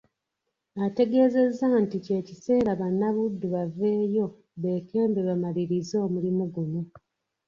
Ategeezezza nti kye kiseera bannabuddu baveeyo beekembe bamalirize omulimu guno.